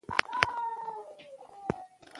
زه د عدالت پلوی یم.